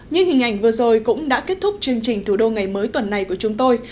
như hình ảnh vừa rồi cũng đã kết thúc chương trình thủ đô ngày mới tuần này của chúng tôi